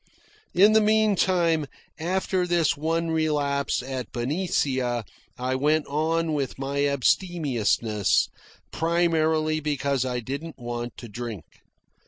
In the meantime, after this one relapse at Benicia, I went on with my abstemiousness, primarily because I didn't want to drink.